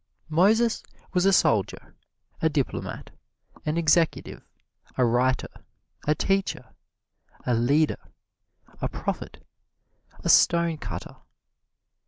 Moses was a soldier, a diplomat, an executive, a writer, a teacher, a leader, a prophet, a stonecutter.